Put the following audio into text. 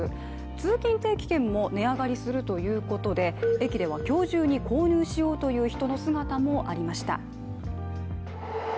通勤定期券も値上がりするということで駅では今日中に購入しようという人の姿もありました。